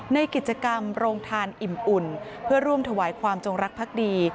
ในกิจกรรมโรงทานอิ่มอุ่นเพื่อร่วมถวายความจงรักภักดี